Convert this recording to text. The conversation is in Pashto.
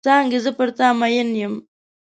څانګې زه پر تا مئن یم.